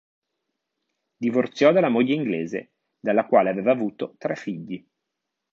Divorziò dalla moglie inglese, dalla quale aveva avuto tre figli.